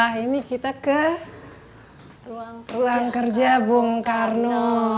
nah ini kita ke ruang kerja bung karno